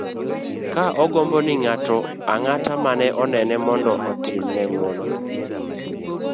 ka ogombo ni ng'ato ang'ata mane onene mondo otim ne ng'uono